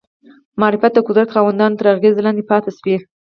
معرفت د قدرت خاوندانو تر اغېزې لاندې پاتې شوی